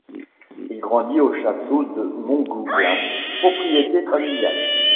Il grandit au château de Montgoublin, propriété familiale.